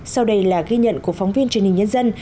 sau đây là ghi nhận của phóng viên truyền hình nhân dân